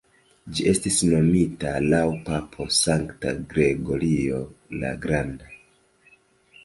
Ĝi estis nomita laŭ papo Sankta Gregorio la Granda.